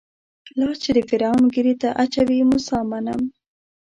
لاس چې د فرعون ږيرې ته اچوي موسی منم.